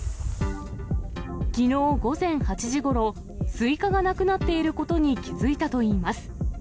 きのう午前８時ごろ、スイカがなくなっていることに気付いたといいます。